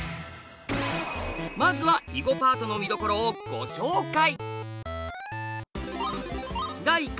まずは囲碁パートのみどころをご紹介！